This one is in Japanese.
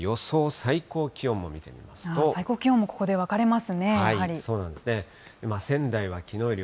最高気温もここで分かれますね、やはり。